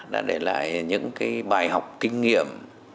đã để lại những bài học kinh nghiệm